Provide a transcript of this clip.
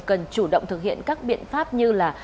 cần chủ động thực hiện các biện pháp như là